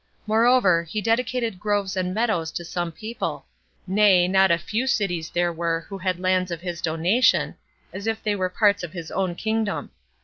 Moreover, he dedicated groves and meadows to some people; nay, not a few cities there were who had lands of his donation, as if they were parts of his own kingdom.